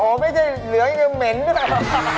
โอ้โฮไม่ใช่เหลืองัยยังเหม็นด้วย